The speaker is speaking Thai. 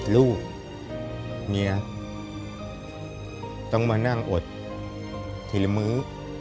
ลูกเมียต้องมานั่งอดทีละมื้อ